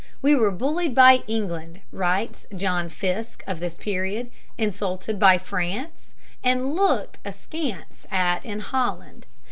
"We were bullied by England," writes John Fiske of this period, "insulted by France, and looked askance at in Holland."